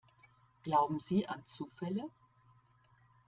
Glauben Sie an Zufälle?